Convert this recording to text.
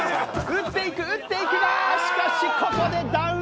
打っていく打っていくがしかしここでダウン。